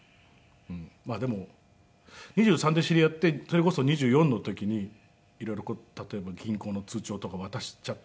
まあでも２３で知り合ってそれこそ２４の時に色々例えば銀行の通帳とか渡しちゃった